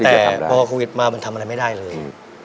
แต่พอโควิดมามันทำอะไรไม่ได้เลย